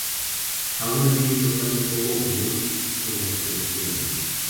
Aun así es bastante poco común en las colecciones.